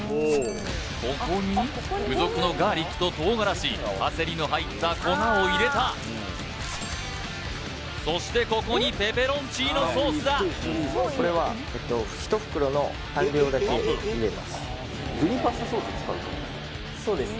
ここに付属のガーリックと唐辛子パセリの入った粉を入れたそしてここにペペロンチーノソースだ入れますそうですね